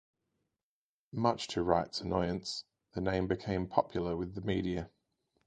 Much to Wright's annoyance, the name became popular with the media.